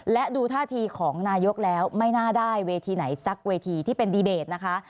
และดูท่าทีของนายกแล้วไม่น่าได้เวทีไหนสักเวทีที่เป็นดีเบตนะคะ